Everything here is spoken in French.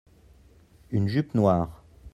une jupe noire.